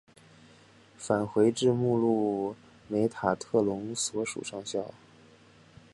返回至目录梅塔特隆所属上校。